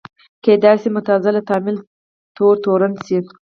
کېدای شو معتزله تمایل تور تورن شي